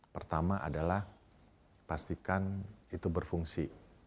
pertama adalah pastikan itu berfungsi